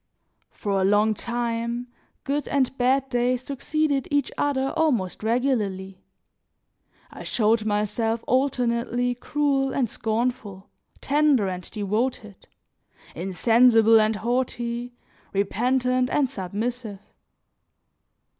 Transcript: For a long time, good and bad days succeeded each other almost regularly; I showed myself alternately cruel and scornful, tender and devoted, insensible and haughty, repentant and submissive.